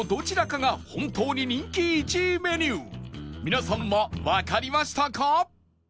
皆さんはわかりましたか？